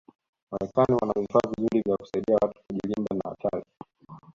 marekani wana vifaa vizuri vya kusaidi watu kujirinda na hatari